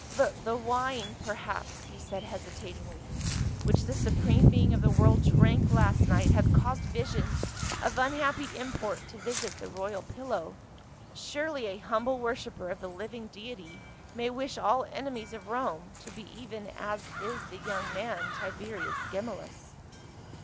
" The wine, per chance," he said hesitatingly, " which the supreme being of the world drank last night hath caused visions of unhappy import to visit the royal pillow. Surely a humble worshiper of the living deity may wish all enemies of Rome to be even as is the young man Tiberius Gemellus."